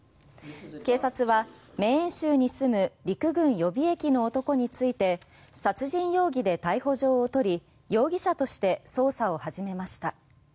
警察はメーン州に住む陸軍予備役の男について殺人容疑で逮捕状を取り容疑者として捜査を始めました。